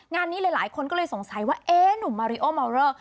งานนี้หลายคนก็เลยสงสัยว่าเอ๊ะหนุ่มมาริโอมอลเลอร์